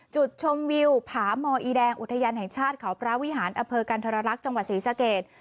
จุดชมวิวผามอีแดงอุทยานแห่งชาติเขาพระวิหารอเภอกันธรรรักษ์จังหวัดศรีสะเกด